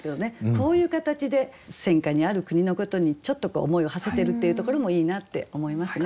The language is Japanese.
こういう形で戦火にある国のことにちょっと思いをはせてるっていうところもいいなって思いますね。